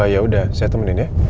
yaudah saya temenin ya